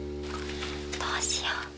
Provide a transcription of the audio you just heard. どうしよう？